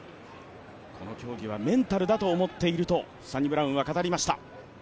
この競技はメンタルだと思うとサニブラウンは語りました。